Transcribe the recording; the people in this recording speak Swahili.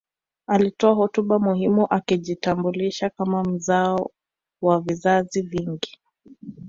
Alitoa hotuba muhimu akijitambulisha kama mzao wa vizazi vingi